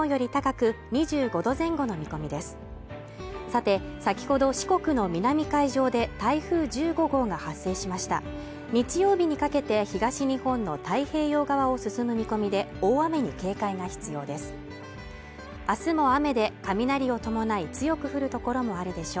さて先ほど四国の南海上で台風１５号が発生しました日曜日にかけて東日本の太平洋側を進む見込みで大雨に警戒が必要です